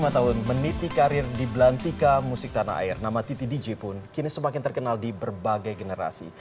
lima tahun meniti karir di belantika musik tanah air nama titi dj pun kini semakin terkenal di berbagai generasi